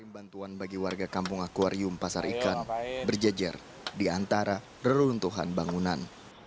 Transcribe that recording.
bantuan bagi warga kampung akwarium pasar ikan berjejer di antara reruntuhan bangunan